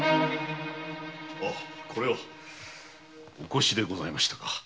あお越しでございましたか。